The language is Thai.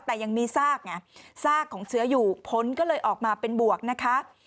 แต่ยังมีซากไงซากของเชื้ออยู่ผลก็เลยออกมาเป็นบวกนะคะ